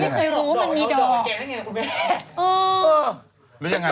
ไม่เคยรู้มันมีดอกอ๋อหรือยังไง